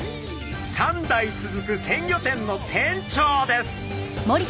３代続く鮮魚店の店長です。